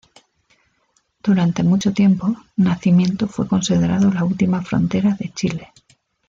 Durante mucho tiempo Nacimiento fue considerado la última frontera de Chile.